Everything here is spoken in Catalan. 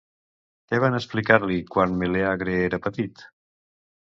Què van explicar-li quan Melèagre era petit?